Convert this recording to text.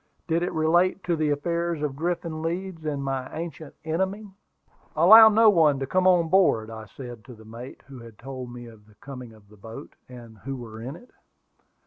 Did it relate to the affairs of Griffin Leeds and my ancient enemy? "Allow no one to come on board," I said to the mate, who had told me of the coming of the boat, and who were in it.